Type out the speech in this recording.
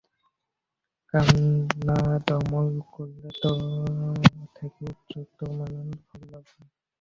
কামনা দমন করলে তা থেকে উচ্চতম ফললাভ হয়।